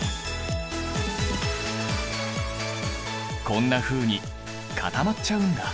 こんなふうに固まっちゃうんだ。